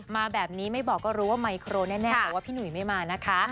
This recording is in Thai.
มาแบบนี้ไม่บอกก็รู้ว่าไมโครแน่แต่ว่าพี่หนุ่ยไม่มานะคะ